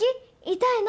痛いの？